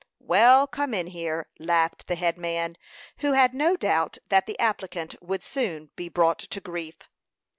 "Well, come in here," laughed the head man, who had no doubt that the applicant would soon be brought to grief.